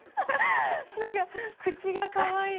なんか、口がかわいい。